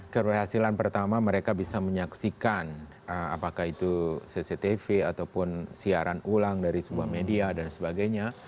keberhasilan pertama mereka bisa menyaksikan apakah itu cctv ataupun siaran ulang dari sebuah media dan sebagainya